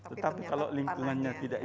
tetapi kalau lingkungannya tidak